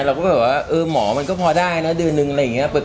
เราก็แบบว่าเออหมอมันก็พอได้นะเดือนนึงอะไรอย่างนี้